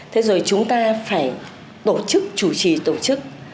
thế rồi chúng ta phải tổ chức chủ trì tổ chức